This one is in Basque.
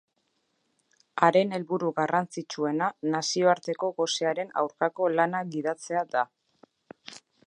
Haren helburu garrantzitsuena nazioartean gosearen aurkako lana gidatzea da.